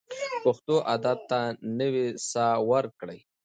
پښتو ادب ته نوې ساه ورکړئ.